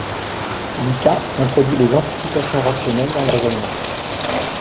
Lucas introduit les anticipations rationnelles dans le raisonnement.